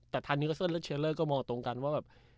แต่ทานิวเซินและเชลเลอร์ก็มองตรงกันว่าแบบ